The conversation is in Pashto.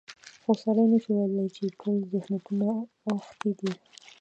خو سړی نشي ویلی چې ټول ذهنیتونه اوښتي دي.